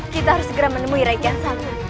kita harus segera menemui rai kiansal